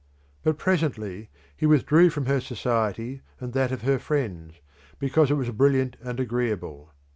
But presently he withdrew from her society and that of her friends, because it was brilliant and agreeable.